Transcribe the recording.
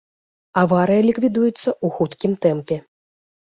Аварыя ліквідуецца ў хуткім тэмпе.